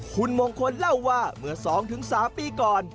คุณมงคลเล่าว่าเมื่อ๒๓ปีก่อน